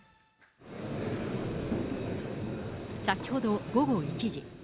先ほど午後１時。